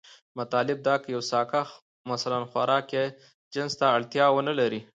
مطلب دا که يو ساکښ مثلا خوراک يا جنس ته اړتيا ونه لري،